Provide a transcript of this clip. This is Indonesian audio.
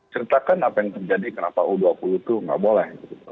ceritakan apa yang terjadi kenapa u dua puluh itu nggak boleh